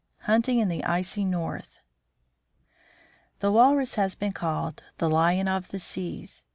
HUNTING IN THE ICY NORTH The walrus has been called " the lion of the seas."